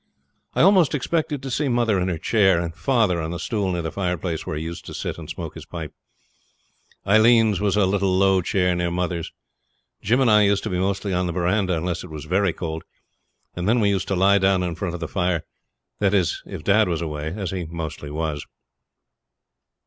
I almost expected to see mother in her chair, and father on the stool near the fireplace, where he used to sit and smoke his pipe. Aileen's was a little low chair near mother's. Jim and I used to be mostly in the verandah, unless it was very cold, and then we used to lie down in front of the fire that is, if dad was away, as he mostly was.